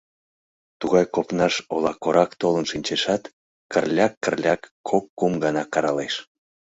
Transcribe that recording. Тугай копнаш ола корак толын шинчешат, кырляк, кырляк кок-кум гана каралеш.